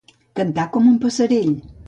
Cantar com un passerell.